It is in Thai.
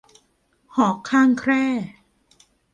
หอกข้างแคร่